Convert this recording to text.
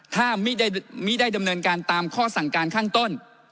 ถ้าไม่ได้ดำเนินการตามข้อสั่งการข้างต้น